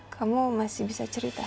kamu masih bisa cerita